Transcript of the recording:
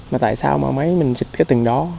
mà tại sao mà máy mình xịt cái từng đó